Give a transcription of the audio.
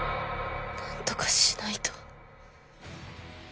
何とかしないと。